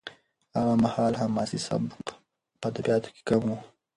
هغه مهال حماسي سبک په ادبیاتو کې کم و.